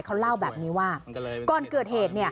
เขาเล่าแบบนี้ว่าก่อนเกิดเหตุเนี่ย